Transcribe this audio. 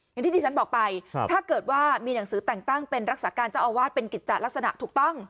อย่างที่ที่ฉันบอกไปถ้าเกิดว่ามีหนังสือแต่งตั้งเป็นรักษาการเจ้าอาวาสเป็นกิจจัดลักษณะถูกต้อง